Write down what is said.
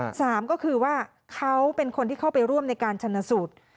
เพราะว่าเขาเป็นคนที่เข้าไปร่วมในการชนสูตร